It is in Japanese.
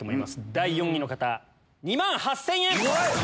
第４位の方２万８０００円！